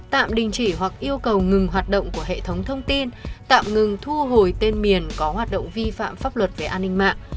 tạm đình chỉ hoặc yêu cầu ngừng hoạt động của hệ thống thông tin tạm ngừng thu hồi tên miền có hoạt động vi phạm pháp luật về an ninh mạng